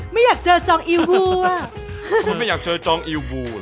ไม่อยากเจอจองอิวูว่ะคนไม่อยากเจอจองอิวูว่ะ